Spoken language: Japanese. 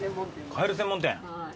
カエル専門店。